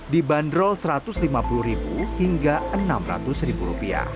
dibanderol rp satu ratus lima puluh hingga rp enam ratus